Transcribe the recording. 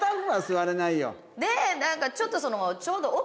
で何かちょっとそのちょうど。